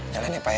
yalah ya pak